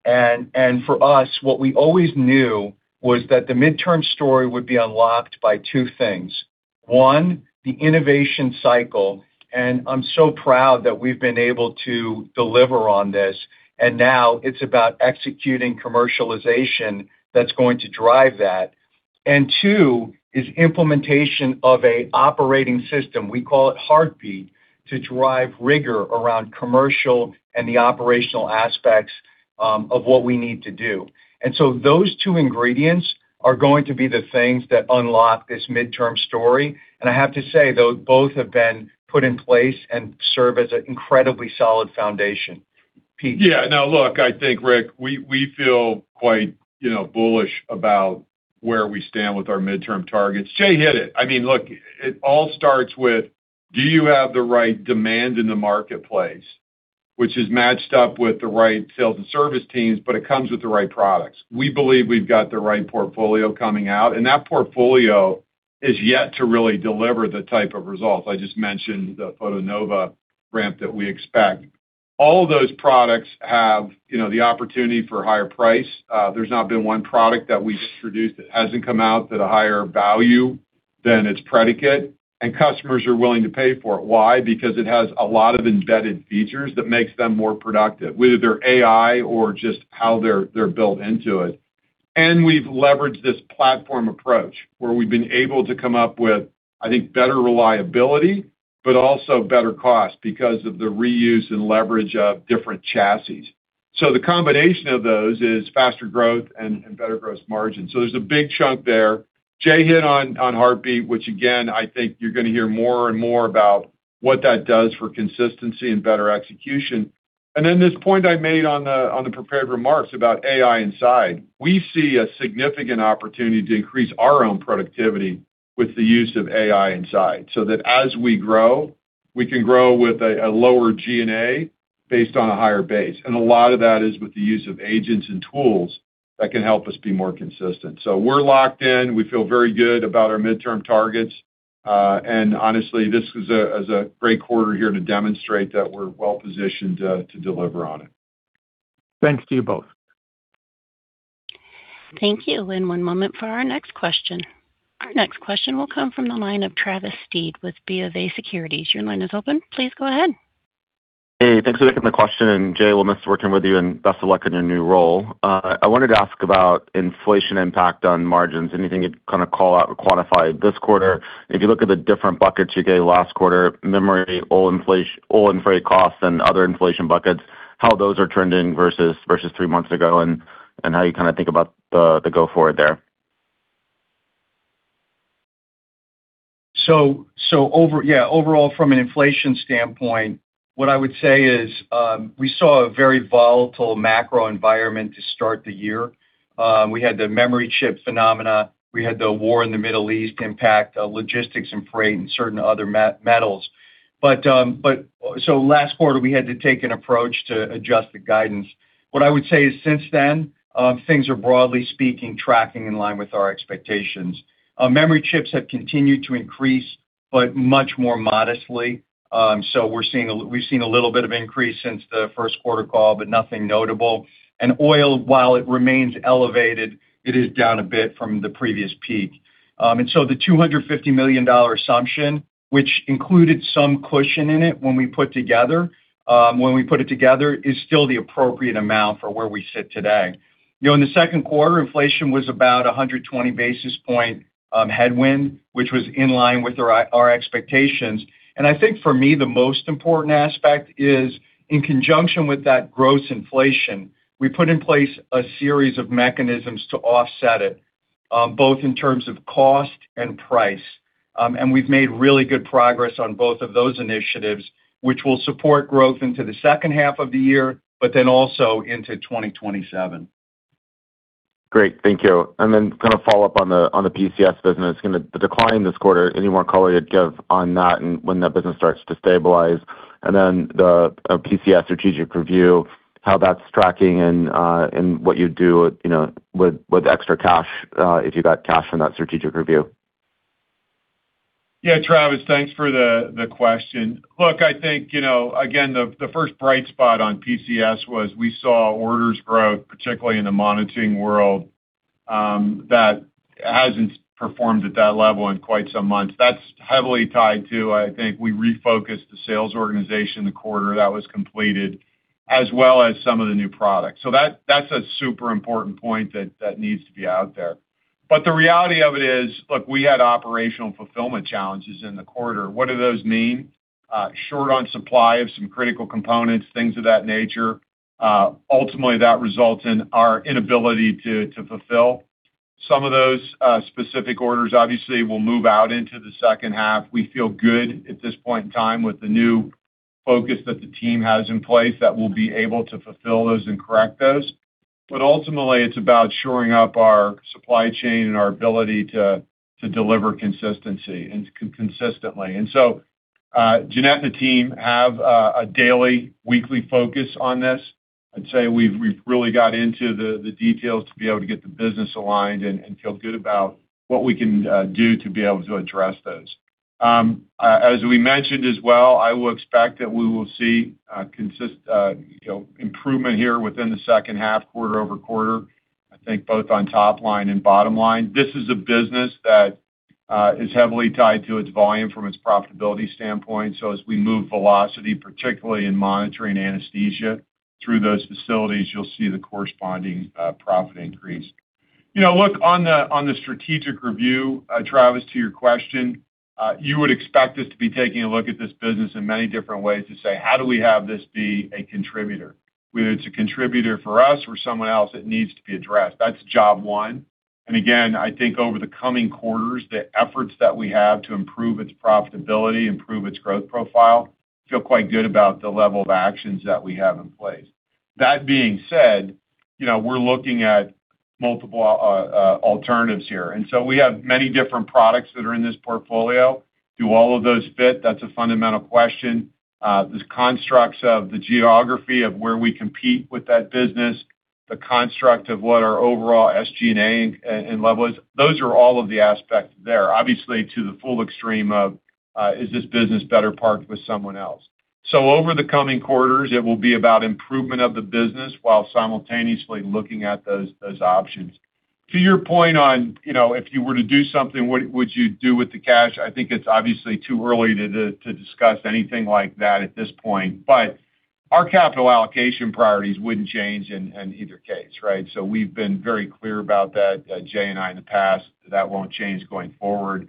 For us, what we always knew was that the midterm story would be unlocked by two things. One, the innovation cycle, and I'm so proud that we've been able to deliver on this, and now it's about executing commercialization that's going to drive that. Two, is implementation of an operating system, we call it Heartbeat, to drive rigor around commercial and the operational aspects of what we need to do. Those two ingredients are going to be the things that unlock this midterm story. I have to say, though, both have been put in place and serve as an incredibly solid foundation. Pete? Yeah. Now look, I think, Rick, we feel quite bullish about where we stand with our midterm targets. Jay hit it. Look, it all starts with, do you have the right demand in the marketplace, which is matched up with the right sales and service teams, but it comes with the right products. We believe we've got the right portfolio coming out, and that portfolio is yet to really deliver the type of results. I just mentioned the Photonova ramp that we expect. All of those products have the opportunity for higher price. There's not been one product that we've introduced that hasn't come out at a higher value than its predicate, and customers are willing to pay for it. Why? Because it has a lot of embedded features that makes them more productive, whether they're AI or just how they're built into it. We've leveraged this platform approach, where we've been able to come up with, I think, better reliability, but also better cost because of the reuse and leverage of different chassis. The combination of those is faster growth and better gross margin. There's a big chunk there. Jay hit on Heartbeat, which again, I think you're going to hear more and more about what that does for consistency and better execution. Then this point I made on the prepared remarks about AI Inside. We see a significant opportunity to increase our own productivity with the use of AI Inside, so that as we grow, we can grow with a lower G&A based on a higher base. A lot of that is with the use of agents and tools that can help us be more consistent. We're locked in. We feel very good about our midterm targets. Honestly, this is a great quarter here to demonstrate that we're well-positioned to deliver on it. Thanks to you both. Thank you. One moment for our next question. Our next question will come from the line of Travis Steed with BofA Securities. Your line is open. Please go ahead. Hey, thanks for taking the question. Jay, we'll miss working with you, and best of luck in your new role. I wanted to ask about inflation impact on margins. Anything you'd call out or quantify this quarter? If you look at the different buckets you gave last quarter, memory, oil and freight costs, and other inflation buckets, how those are trending versus three months ago, and how you think about the go-forward there. Yeah, overall from an inflation standpoint, what I would say is, we saw a very volatile macro environment to start the year. We had the memory chip phenomena. We had the war in the Middle East impact logistics and freight and certain other metals. Last quarter, we had to take an approach to adjust the guidance. What I would say is since then, things are broadly speaking, tracking in line with our expectations. Memory chips have continued to increase, but much more modestly. We've seen a little bit of increase since the first quarter call, but nothing notable. Oil, while it remains elevated, it is down a bit from the previous peak. The $250 million assumption, which included some cushion in it when we put it together, is still the appropriate amount for where we sit today. In the second quarter, inflation was about 120 basis points headwind, which was in line with our expectations. I think for me, the most important aspect is in conjunction with that gross inflation, we put in place a series of mechanisms to offset it, both in terms of cost and price. We've made really good progress on both of those initiatives, which will support growth into the second half of the year, but then also into 2027. Great. Thank you. Follow up on the PCS business, the decline this quarter, any more color you'd give on that and when that business starts to stabilize? The PCS strategic review, how that's tracking and what you'd do with extra cash, if you got cash from that strategic review. Yeah, Travis, thanks for the question. Look, I think, again, the first bright spot on PCS was we saw orders growth, particularly in the monitoring world, that hasn't performed at that level in quite some months. That's heavily tied to, I think, we refocused the sales organization the quarter that was completed, as well as some of the new products. That's a super important point that needs to be out there. The reality of it is, look, we had operational fulfillment challenges in the quarter. What do those mean? Short on supply of some critical components, things of that nature. Ultimately, that results in our inability to fulfill some of those specific orders. Obviously, we'll move out into the second half. We feel good at this point in time with the new focus that the team has in place that we'll be able to fulfill those and correct those. Ultimately, it's about shoring up our supply chain and our ability to deliver consistency, and consistently. Jeannette and the team have a daily, weekly focus on this. I'd say we've really got into the details to be able to get the business aligned and feel good about what we can do to be able to address those. As we mentioned as well, I will expect that we will see improvement here within the second half, quarter-over-quarter, I think both on top-line and bottom-line. This is a business that is heavily tied to its volume from its profitability standpoint. As we move velocity, particularly in monitoring anesthesia through those facilities, you'll see the corresponding profit increase. Look, on the strategic review, Travis, to your question, you would expect us to be taking a look at this business in many different ways to say, "How do we have this be a contributor?" Whether it's a contributor for us or someone else, it needs to be addressed. That's job one. Again, I think over the coming quarters, the efforts that we have to improve its profitability, improve its growth profile, feel quite good about the level of actions that we have in place. That being said, we're looking at multiple alternatives here. We have many different products that are in this portfolio. Do all of those fit? That's a fundamental question. There's constructs of the geography of where we compete with that business, the construct of what our overall SG&A level is. Those are all of the aspects there, obviously, to the full extreme of, is this business better parked with someone else? Over the coming quarters, it will be about improvement of the business while simultaneously looking at those options. To your point on, if you were to do something, what would you do with the cash? I think it's obviously too early to discuss anything like that at this point, but our capital allocation priorities wouldn't change in either case, right? We've been very clear about that, Jay and I in the past, that won't change going forward.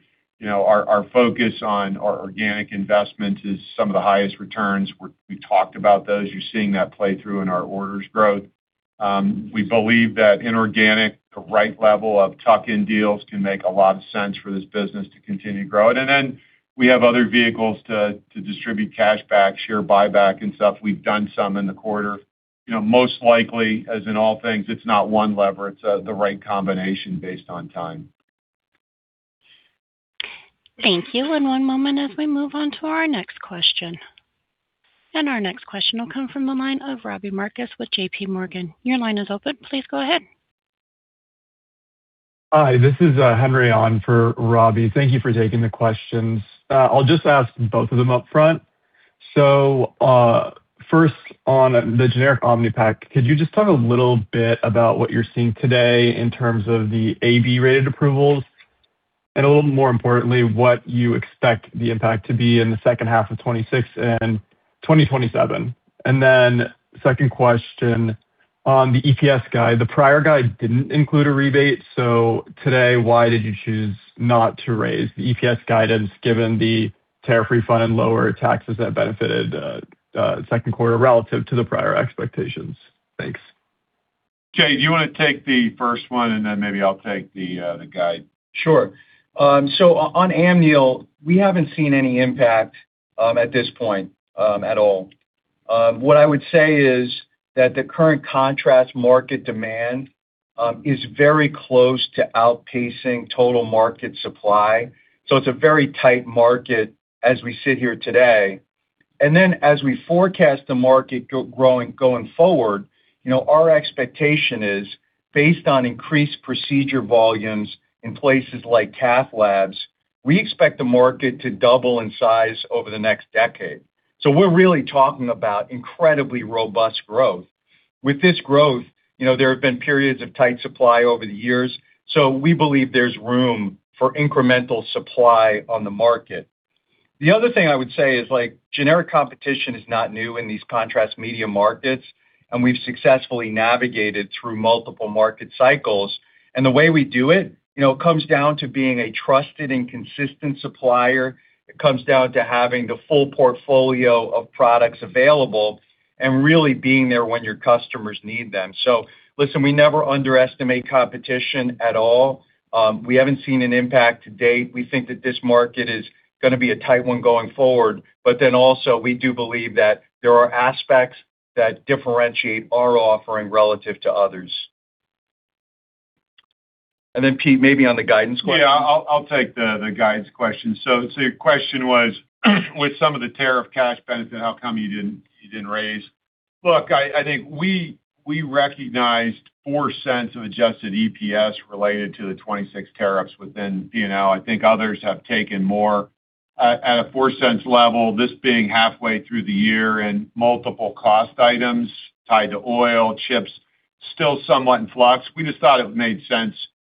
Our focus on our organic investment is some of the highest returns. We talked about those. You're seeing that play through in our orders growth. We believe that inorganic, the right level of tuck-in deals can make a lot of sense for this business to continue to grow. We have other vehicles to distribute cash back, share buyback and stuff. We've done some in the quarter. Most likely, as in all things, it's not one lever, it's the right combination based on time. Thank you. One moment as we move on to our next question. Our next question will come from the line of Robbie Marcus with JPMorgan. Your line is open. Please go ahead. Hi, this is Henry on for Robbie. Thank you for taking the questions. I'll just ask both of them up front. First on the generic Omnipaque, could you just talk a little bit about what you're seeing today in terms of the AB-rated approvals? A little more importantly, what you expect the impact to be in the second half of 2026 and 2027. Second question on the EPS guide. The prior guide didn't include a rebate. Today, why did you choose not to raise the EPS guidance given the tariff refund and lower taxes that benefited second quarter relative to the prior expectations? Thanks. Jay, do you want to take the first one then maybe I'll take the guide? Sure. On Amneal, we haven't seen any impact at this point at all. What I would say is that the current contrast market demand is very close to outpacing total market supply. It's a very tight market as we sit here today. Then as we forecast the market going forward, our expectation is based on increased procedure volumes in places like cath labs. We expect the market to double in size over the next decade. We're really talking about incredibly robust growth. With this growth, there have been periods of tight supply over the years, we believe there's room for incremental supply on the market. The other thing I would say is generic competition is not new in these contrast media markets, we've successfully navigated through multiple market cycles. The way we do it comes down to being a trusted and consistent supplier. It comes down to having the full portfolio of products available and really being there when your customers need them. Listen, we never underestimate competition at all. We haven't seen an impact to date. We think that this market is going to be a tight one going forward. We do believe that there are aspects that differentiate our offering relative to others. Pete, maybe on the guidance question. Yeah, I'll take the guidance question. Your question was, with some of the tariff cash benefit, how come you didn't raise? Look, I think we recognized $0.04 of adjusted EPS related to the 26 tariffs within P&L. I think others have taken more. At a $0.04 level, this being halfway through the year and multiple cost items tied to oil, chips still somewhat in flux, we just thought it made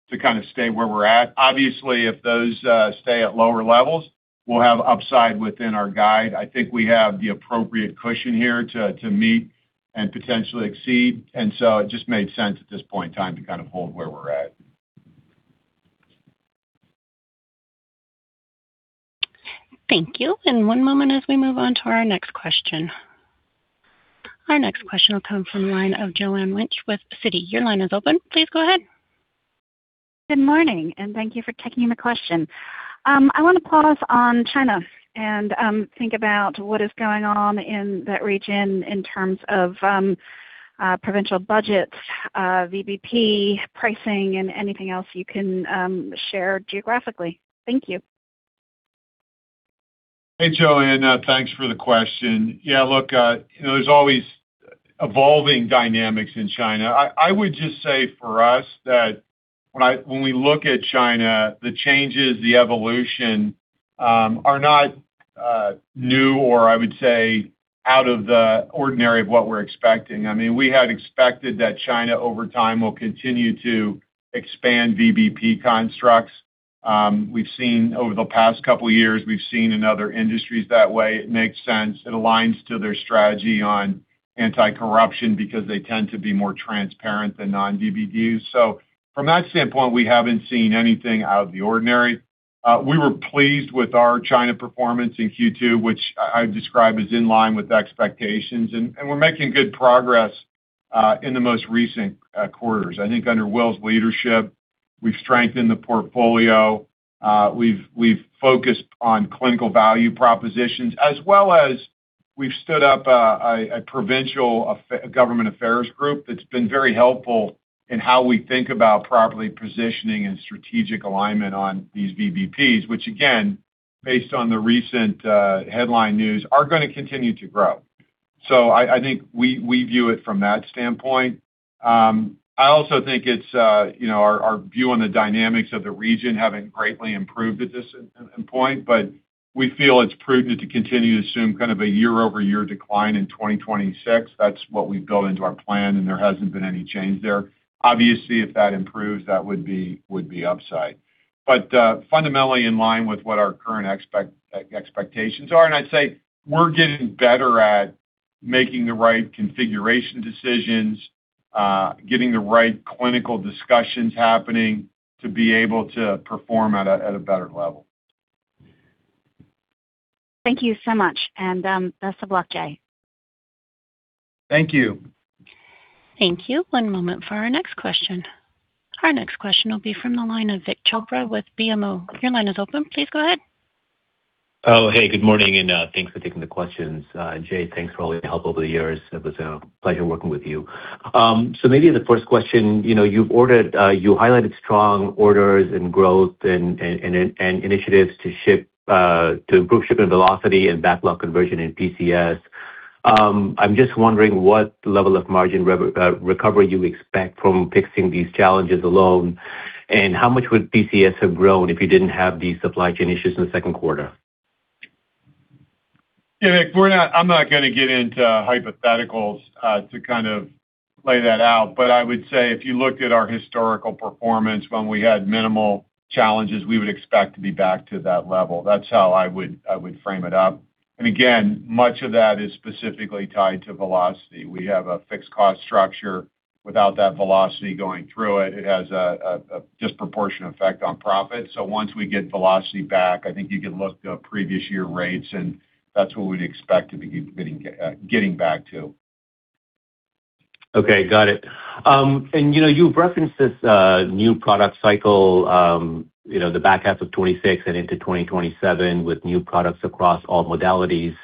sense to stay where we're at. Obviously, if those stay at lower levels, we'll have upside within our guide. I think we have the appropriate cushion here to meet and potentially exceed, it just made sense at this point in time to hold where we're at. Thank you. One moment as we move on to our next question. Our next question will come from the line of Joanne Wuensch with Citi. Your line is open. Please go ahead. Good morning, thank you for taking the question. I want to pause on China and think about what is going on in that region in terms of provincial budgets, VBP pricing, and anything else you can share geographically. Thank you. Hey, Joanne. Thanks for the question. Look, there's always evolving dynamics in China. I would just say for us that when we look at China, the changes, the evolution are not new or I would say out of the ordinary of what we're expecting. We had expected that China over time will continue to expand VBP constructs. Over the past couple of years, we've seen in other industries that way. It makes sense. It aligns to their strategy on anti-corruption because they tend to be more transparent than non-VBPs. From that standpoint, we haven't seen anything out of the ordinary. We were pleased with our China performance in Q2, which I describe as in line with expectations, and we're making good progress in the most recent quarters. I think under Will's leadership, we've strengthened the portfolio. We've focused on clinical value propositions, as well as we've stood up a provincial government affairs group that's been very helpful in how we think about properly positioning and strategic alignment on these VBP, which again, based on the recent headline news, are going to continue to grow. I think we view it from that standpoint. I also think our view on the dynamics of the region haven't greatly improved at this point, but we feel it's prudent to continue to assume kind of a year-over-year decline in 2026. That's what we've built into our plan, and there hasn't been any change there. Obviously, if that improves, that would be upside. Fundamentally in line with what our current expectations are, and I'd say we're getting better at making the right configuration decisions, getting the right clinical discussions happening to be able to perform at a better level. Thank you so much. Best of luck, Jay. Thank you. Thank you. One moment for our next question. Our next question will be from the line of Vik Chopra with BMO. Your line is open. Please go ahead. Hey, good morning, and thanks for taking the questions. Jay, thanks for all your help over the years. It was a pleasure working with you. Maybe the first question, you highlighted strong orders and growth and initiatives to improve shipping velocity and backlog conversion in PCS. I'm just wondering what level of margin recovery you expect from fixing these challenges alone, and how much would PCS have grown if you didn't have these supply chain issues in the second quarter? Yeah, Vik, I'm not going to get into hypotheticals to lay that out. I would say if you looked at our historical performance when we had minimal challenges, we would expect to be back to that level. That's how I would frame it up. Again, much of that is specifically tied to velocity. We have a fixed cost structure. Without that velocity going through it has a disproportionate effect on profit. Once we get velocity back, I think you can look to previous year rates, and that's what we'd expect to be getting back to. Okay, got it. You referenced this new product cycle, the back half of 2026 and into 2027 with new products across all modalities,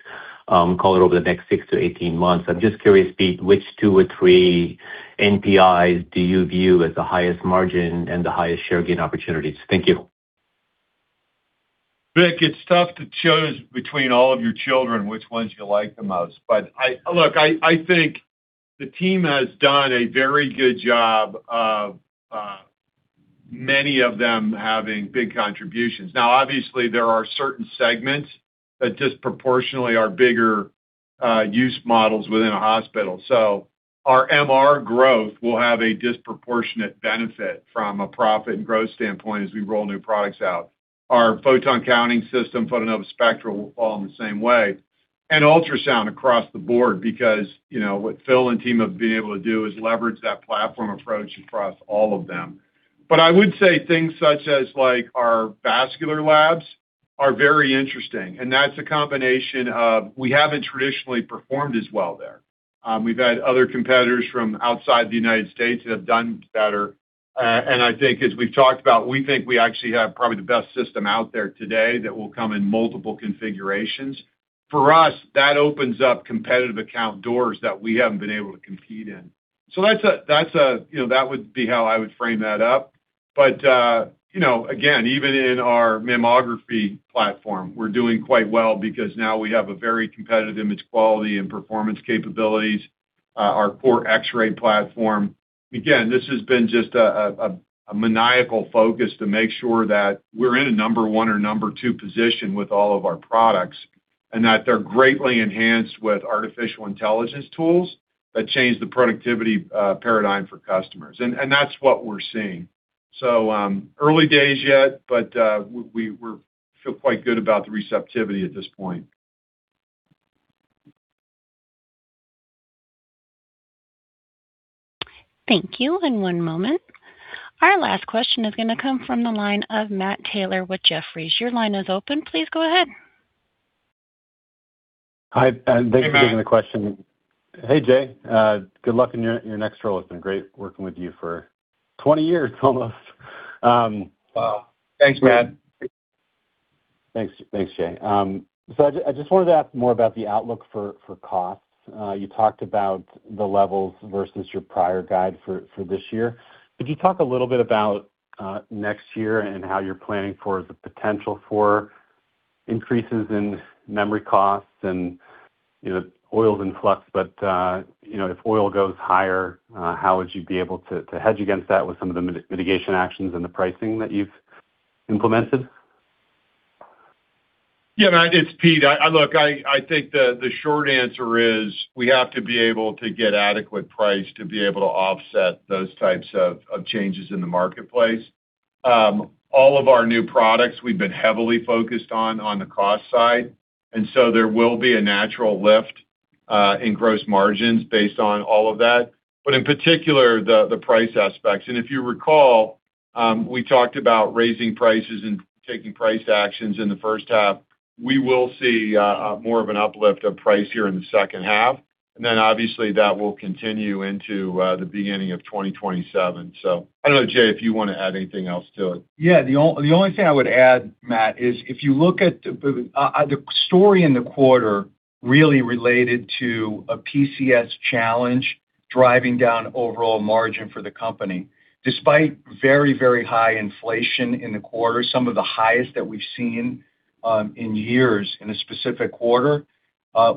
call it over the next six to 18 months. I'm just curious, Pete, which two or three NPIs do you view as the highest margin and the highest share gain opportunities? Thank you. Vik, it's tough to choose between all of your children, which ones you like the most. Look, I think the team has done a very good job of many of them having big contributions. Obviously, there are certain segments that disproportionately are bigger use models within a hospital. Our MR growth will have a disproportionate benefit from a profit and growth standpoint as we roll new products out. Our photon-counting system, Photonova Spectra, will fall in the same way. Ultrasound across the board, because what Phil and team have been able to do is leverage that platform approach across all of them. I would say things such as our vascular labs are very interesting, and that's a combination of, we haven't traditionally performed as well there. We've had other competitors from outside the U.S. that have done better. I think as we've talked about, we think we actually have probably the best system out there today that will come in multiple configurations. For us, that opens up competitive account doors that we haven't been able to compete in. That would be how I would frame that up. Again, even in our mammography platform, we're doing quite well because now we have a very competitive image quality and performance capabilities. Our core X-ray platform, again, this has been just a maniacal focus to make sure that we're in a number one or number two position with all of our products, and that they're greatly enhanced with artificial intelligence tools that change the productivity paradigm for customers. That's what we're seeing. Early days yet, but we feel quite good about the receptivity at this point. Thank you. One moment. Our last question is going to come from the line of Matt Taylor with Jefferies. Your line is open. Please go ahead. Hi, Thanks for- Hey, Matt. -the question. Hey, Jay. Good luck in your next role. It's been great working with you for 20 years almost. Wow. Thanks, Matt. Thanks, Jay. I just wanted to ask more about the outlook for costs. You talked about the levels versus your prior guide for this year. Could you talk a little bit about next year and how you're planning for the potential for increases in memory costs and oil's in flux, but if oil goes higher, how would you be able to hedge against that with some of the mitigation actions and the pricing that you've implemented? Yeah, Matt, it's Pete. Look, I think the short answer is we have to be able to get adequate price to be able to offset those types of changes in the marketplace. All of our new products we've been heavily focused on the cost side, there will be a natural lift in gross margins based on all of that, but in particular, the price aspects. If you recall, we talked about raising prices and taking price actions in the first half. We will see more of an uplift of price here in the second half, obviously that will continue into the beginning of 2027. I don't know, Jay, if you want to add anything else to it. Yeah, the only thing I would add, Matt, is if you look at the story in the quarter really related to a PCS challenge, driving down overall margin for the company. Despite very high inflation in the quarter, some of the highest that we've seen in years in a specific quarter,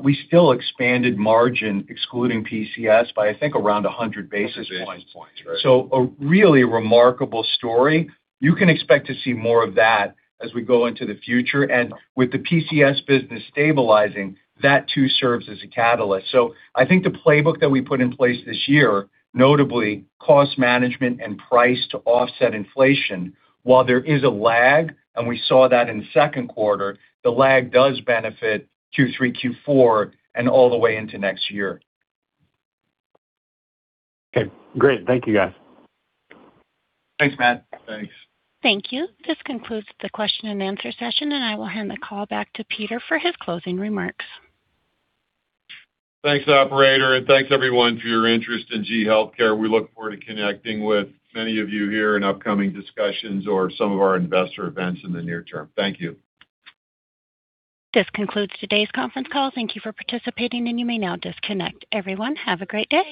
we still expanded margin excluding PCS by, I think, around 100 basis points. Basis points, right. A really remarkable story. You can expect to see more of that as we go into the future. With the PCS business stabilizing, that too serves as a catalyst. I think the playbook that we put in place this year, notably cost management and price to offset inflation, while there is a lag, and we saw that in the second quarter, the lag does benefit Q3, Q4, and all the way into next year. Okay, great. Thank you, guys. Thanks, Matt. Thanks. Thank you. This concludes the question and answer session. I will hand the call back to Peter for his closing remarks. Thanks, operator. Thanks everyone for your interest in GE HealthCare. We look forward to connecting with many of you here in upcoming discussions or some of our investor events in the near term. Thank you. This concludes today's conference call. Thank you for participating, and you may now disconnect. Everyone, have a great day.